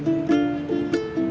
hanya mencari ujian